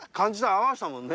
合わしたもんね。